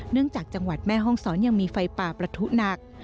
จากจังหวัดแม่ห้องศรยังมีไฟป่าประทุหนัก